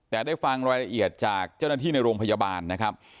แต่ได้ฟังรายละเอียดจากเจ้าหน้าที่ในโรงพยาบาลนะครับ